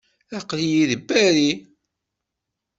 Aql-iyi deg Paris.